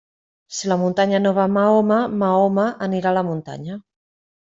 Si la muntanya no va a Mahoma, Mahoma anirà a la muntanya.